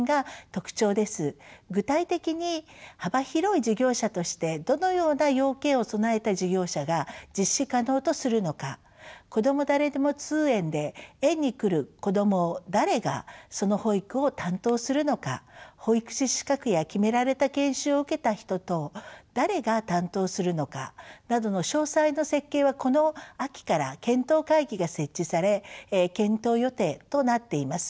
具体的に幅広い事業者としてどのような要件を備えた事業者が実施可能とするのかこども誰でも通園で園に来る子どもを誰がその保育を担当するのか保育士資格や決められた研修を受けた人等誰が担当するのかなどの詳細の設計はこの秋から検討会議が設置され検討予定となっています。